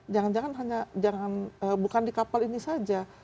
jangan jangan hanya bukan di kapal ini saja